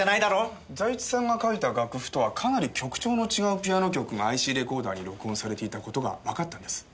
財津さんが書いた楽譜とはかなり曲調の違うピアノ曲がＩＣレコーダーに録音されていた事がわかったんです。